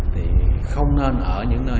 thì không nên ở những nơi